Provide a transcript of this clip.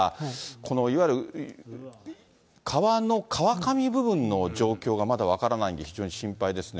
このいわゆる、川の川上部分の状況がまだ分からないんで、非常に心配ですね。